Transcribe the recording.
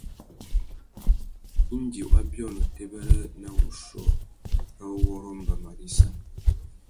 Indi wa biônô têbêrê na wuchiô râ uwôrrô mbama râ issa.